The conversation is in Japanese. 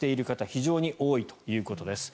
非常に多いということです。